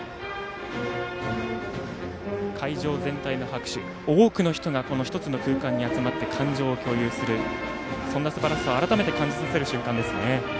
会場全体の拍手多くの人が１つの空間に集まって感情を共有するそんなすばらしさを改めて感じさせる瞬間ですね。